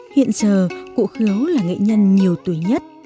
hiện giờ cụ khứu là nghệ nhân nhiều tuổi nhất